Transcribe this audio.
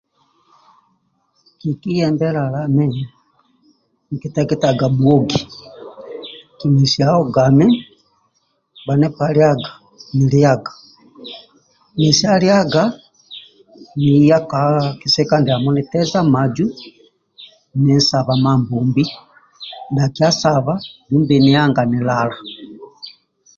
Kikiyembe lalami, nkiteketaga bhuogi kimesia hogami, bhanipa liaga niliaga, mesia liaga, niya ka kisika ndiamo niteza maju ninsaba Mambombi, dhakiya saba dumbi nihanga nilala.